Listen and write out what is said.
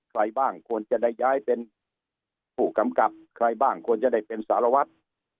ใครบ้างควรจะได้ย้ายเป็นผู้กำกับใครบ้างควรจะได้เป็นสารวัตร